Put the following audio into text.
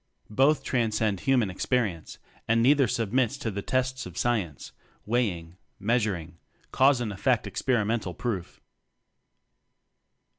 Both transcend human experience, and neither submits to the tests of Sci ence weighing, measuring, cause and effect experimental proof.